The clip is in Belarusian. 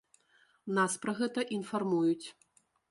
Нас пра гэта інфармуюць.